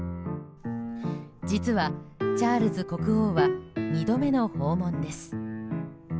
実は、チャールズ国王は２度目の訪問です。